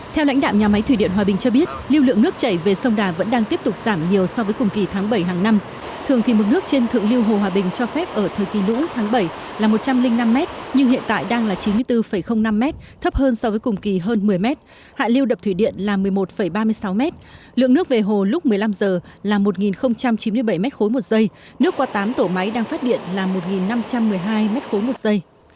theo lãnh đạo nhà máy thủy điện hòa bình cho biết lưu lượng nước chảy về sông đà vẫn đang tiếp tục giảm nhiều so với cùng kỳ tháng bảy hàng năm thường thì mức nước trên thượng lưu hồ hòa bình cho phép ở thời kỳ lũ tháng bảy là một trăm linh năm mét nhưng hiện tại đang là chín mươi bốn năm mét thấp hơn so với cùng kỳ hơn một mươi mét hạ lưu đập thủy điện là một mươi một ba mươi sáu mét lượng nước về hồ lúc một mươi năm giờ là một chín mươi bảy m ba một giây nước qua tám tổ máy đang phát điện là một năm trăm một mươi hai m ba một giây